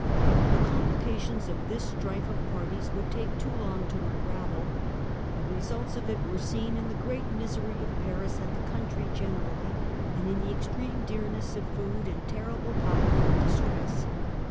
The complications of this strife of parties would take too long to unravel ; the results of it were seen in the great misery of Paris and the country generally, and in the ex treme dearness of food and terrible poverty and distress.